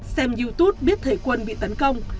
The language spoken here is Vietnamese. xem youtube biết thầy quân bị tấn công